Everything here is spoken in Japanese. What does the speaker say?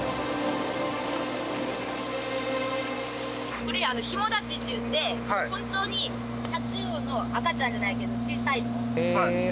これヒモタチっていってホントにタチウオの赤ちゃんじゃないけど小さいの。